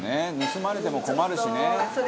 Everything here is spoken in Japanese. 盗まれても困るしね」